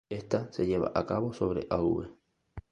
Esta se lleva a cabo sobre Av.